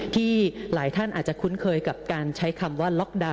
ที่หลายท่านอาจจะคุ้นเคยกับการใช้คำว่าล็อกดาวน